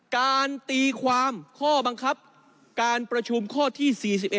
การตีความข้อบังคับการประชุมข้อที่๔๑